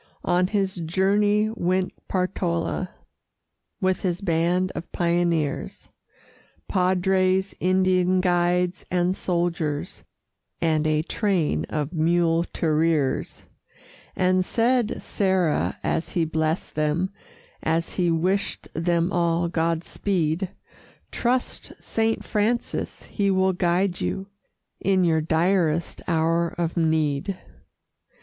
On his journey went Portala With his band of pioneers, Padres, Indian guides, and soldiers, And a train of muleteers; And said Serra, as he blessed them, As he wished them all Godspeed: "Trust Saint Francis he will guide you In your direst hour of need."